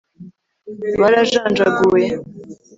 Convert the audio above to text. barajanjaguwe